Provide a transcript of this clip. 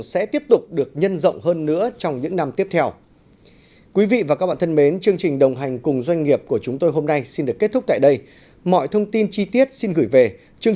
sẽ tiếp tục được nhân rộng hơn nữa trong những năm tiếp theo